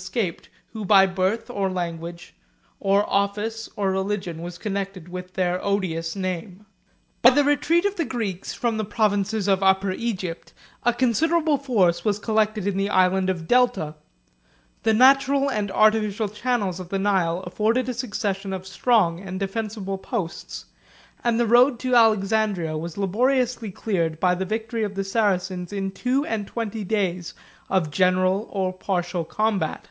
156 172,) who has enriched the conquest of Egypt with some facts from the Arabic text of Severus the Jacobite historian] By the retreat of the Greeks from the provinces of Upper Egypt, a considerable force was collected in the Island of Delta; the natural and artificial channels of the Nile afforded a succession of strong and defensible posts; and the road to Alexandria was laboriously cleared by the victory of the Saracens in two and twenty days of general or partial combat.